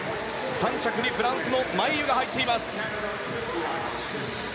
３着にフランスのマイユが入っています。